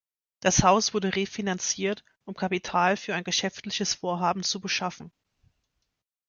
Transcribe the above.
Das Haus wurde refinanziert, um Kapitel für ein geschäftliches Vorhaben zu beschaffen.